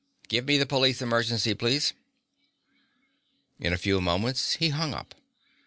"Give me police emergency, please." In a few moments he hung up again.